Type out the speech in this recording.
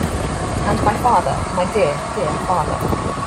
And my father, my dear, dear father!